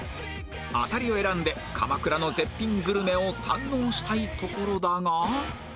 アタリを選んで鎌倉の絶品グルメを堪能したいところだが